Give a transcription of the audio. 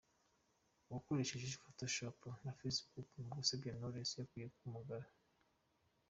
Uwakoresheje photoshop na Facebook mu gusebya Knowless akwiye umugayo.